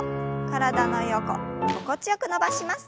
体の横心地よく伸ばします。